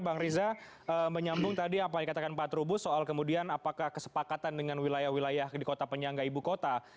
bang riza menyambung tadi apa yang dikatakan pak trubus soal kemudian apakah kesepakatan dengan wilayah wilayah di kota penyangga ibu kota